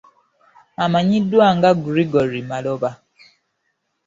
Amanyiddwa nga Gregory Maloba.